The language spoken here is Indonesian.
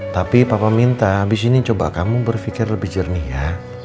tapi papa minta abis ini coba kamu berpikir lebih jernih ya